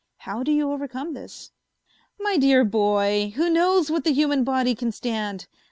How do you overcome this?" "My dear boy, who knows what the human body can stand?